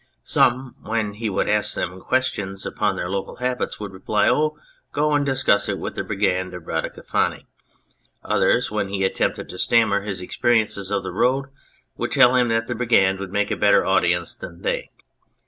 Some, when he would ask them questions upon their local habits, would reply, "Oh, go and discuss it with the Brigand of Radicofani "; others, when he attempted to stammer his experiences of the road, would tell him that the Brigand would make a better audience than they.